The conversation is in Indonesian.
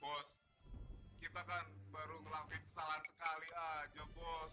bos kita kan baru ngelafik kesalahan sekali aja bos